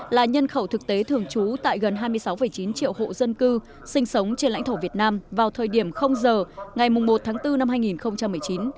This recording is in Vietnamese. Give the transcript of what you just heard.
là nhân khẩu thực tế thường trú tại gần hai mươi sáu chín triệu hộ dân cư sinh sống trên lãnh thổ việt nam vào thời điểm giờ ngày một tháng bốn năm hai nghìn một mươi chín